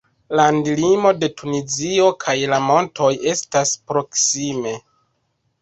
Landlimo de Tunizio kaj la montoj estas proksime.